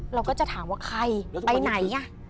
เราก็จะถามว่าใครไปไหน